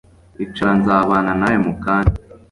Icara Nzabana nawe mu kanya